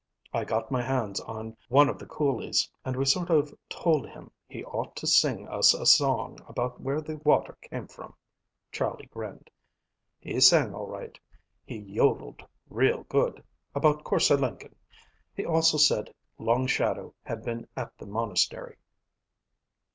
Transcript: I got my hands on one of the coolies and we sort of told him he ought to sing us a song about where the water came from." Charlie grinned. "He sang all right. He yodeled real good, about Korse Lenken. He also said Long Shadow had been at the monastery."